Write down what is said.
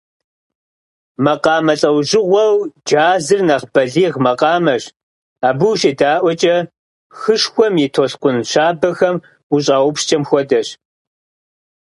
Макъамэ лӏэужьыгъуэу джазыр нэхъ бэлигъ макъамэщ, абы ущедаӏуэкӏэ, хышхуэм и толъкун щабэхэм ущӏаупскӏэм хуэдэщ.